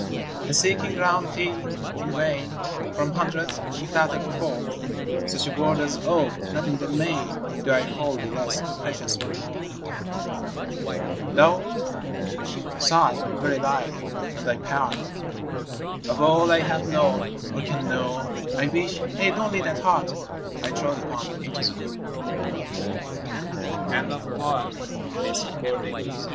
And seeking around thee in vain, From hundreds who flattered before, Such a word as, " Oh, not in the main Do I hold thee less precious, but more ! 1 A PORTRAIT. 2? VI. Thou 'It sigh, very like, on thy part, " Of all I have known or can know, I wish I had only that Heart I trod upon ages ago !" A LOVER'S SONNET.